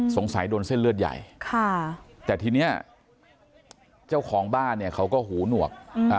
สงสัยโดนเส้นเลือดใหญ่ค่ะแต่ทีนี้เจ้าของบ้านเนี่ยเขาก็หูหนวก